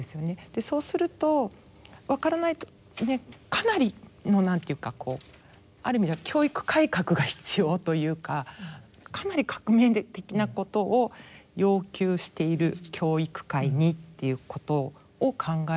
そうするとわからないかなりの何ていうかある意味では教育改革が必要というかかなり革命的なことを要求している教育界にということを考えるんですね。